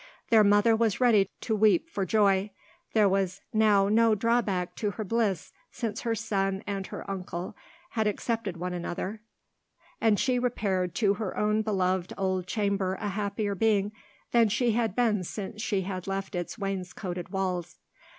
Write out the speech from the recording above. Their mother was ready to weep for joy. There was now no drawback to her bliss, since her son and her uncle had accepted one another; and she repaired to her own beloved old chamber a happier being than she had been since she had left its wainscoted walls.